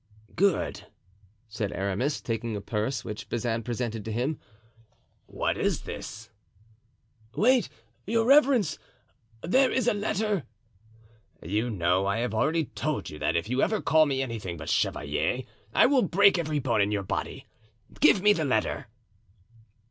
"Good," said Aramis, taking a purse which Bazin presented to him. "What is this?" "Wait, your reverence, there is a letter." "You know I have already told you that if you ever call me anything but chevalier I will break every bone in your body. Give me the letter."